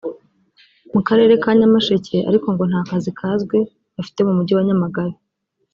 mu Karere ka Nyamasheke ariko ngo nta kazi kazwi bafite mu mujyi wa Nyamagabe